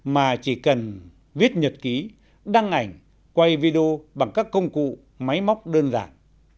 mà chỉ cần viết nhật ký đăng ảnh quay video bằng các công cụ máy móc đơn giản